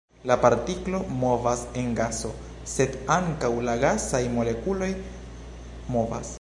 La partiklo movas en gaso, sed ankaŭ la gasaj molekuloj movas.